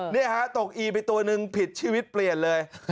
นี่ฮะตกอีไปตัวนึงผิดชีวิตเปลี่ยนเลย